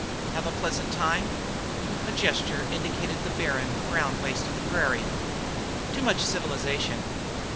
"Have a pleasant time?" A gesture indicated the barren, brown waste of prairie. "Too much civilization."